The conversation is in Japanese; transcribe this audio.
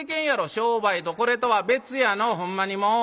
「商売とこれとは別やのほんまにもう。